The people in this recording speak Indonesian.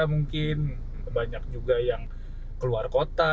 mungkin banyak juga yang keluar kota